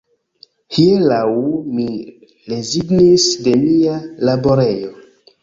Hieraŭ mi rezignis de mia laborejo